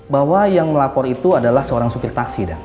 bahwa yang melapor itu adalah seorang supir taksi